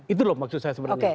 itu loh maksud saya sebenarnya